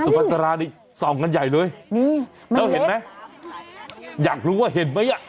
สุภัณฑ์สราส่องกันใหญ่เลยนี่มันเล็กแล้วเห็นไหมอยากรู้ว่าเห็นไหม